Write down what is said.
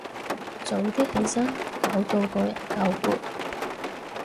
早啲起身，搞到個人夠攰